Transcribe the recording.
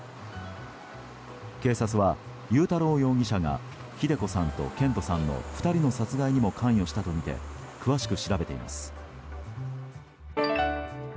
警察は悠太郎容疑者が秀子さんと健人さんの２人の殺害にも関与したとみて詳しく調べています。